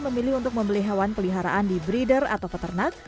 memilih untuk membeli hewan peliharaan di breeder atau peternak